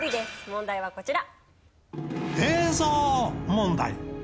問題はこちら。